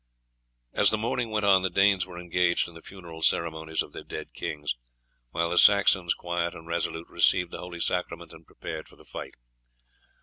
As the morning went on the Danes were engaged in the funeral ceremonies of their dead kings, while the Saxons, quiet and resolute, received the holy sacrament and prepared for the fight.